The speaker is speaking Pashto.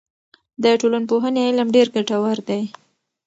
د ټولنپوهنې علم ډېر ګټور دی.